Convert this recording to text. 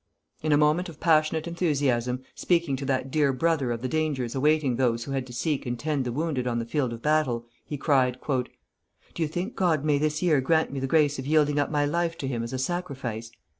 In a moment of passionate enthusiasm, speaking to that dear brother of the dangers awaiting those who had to seek and tend the wounded on the field of battle, he cried: "Do you think God may this year grant me the grace of yielding up my life to Him as a sacrifice?